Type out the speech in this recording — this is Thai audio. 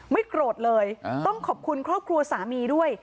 โกรธเลยต้องขอบคุณครอบครัวสามีด้วย